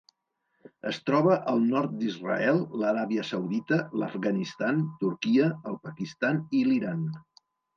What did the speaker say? Es troba al nord d'Israel, l'Aràbia Saudita, l'Afganistan, Turquia, el Pakistan i l'Iran.